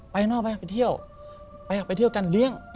ไปข้างนอกไปเที่ยวการเลี้ยง